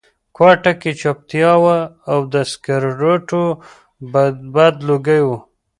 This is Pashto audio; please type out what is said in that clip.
کوټه کې چوپتیا وه او د سګرټو بد لوګي وو